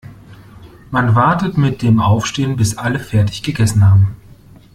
Man wartet mit dem Aufstehen, bis alle fertig gegessen haben.